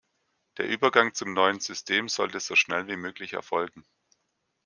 Der Übergang zum neuen System sollte so schnell wie möglich erfolgen.